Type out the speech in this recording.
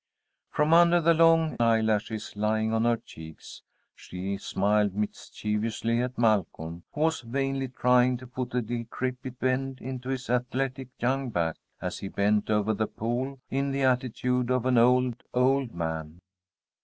From under the long eyelashes lying on her cheeks, she smiled mischievously at Malcolm, who was vainly trying to put a decrepit bend into his athletic young back, as he bent over the pole in the attitude of an old, old man.